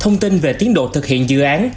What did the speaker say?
thông tin về tiến độ thực hiện dự án